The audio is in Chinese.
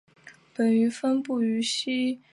本鱼分布于西印度洋的红海及亚丁湾。